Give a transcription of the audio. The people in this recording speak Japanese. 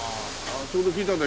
ちょうど聞いたんだ